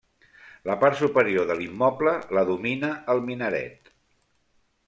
La part superior de l'immoble la domina el minaret.